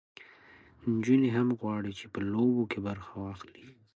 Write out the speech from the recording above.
نجونې هم غواړي چې په لوبو کې برخه واخلي.